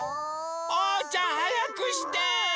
おうちゃんはやくして！